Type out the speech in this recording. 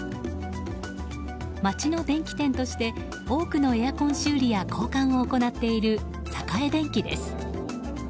街の電気店として多くのエアコン修理や交換を行っている栄電気です。